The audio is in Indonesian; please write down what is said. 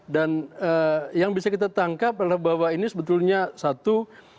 dan yang bisa kita tangkap adalah bahwa ini sebetulnya satu